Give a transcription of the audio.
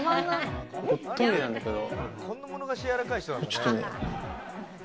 トイレなんだけど。